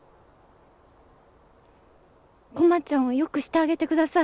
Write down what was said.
駒ちゃんをよくしてあげてください。